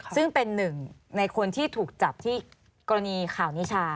ซึ่งเป็นหนึ่งในคนที่ถูกจับที่กรณีข่าวนิชา